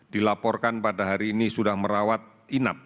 dilaporkan pada hari ini sudah merawat inap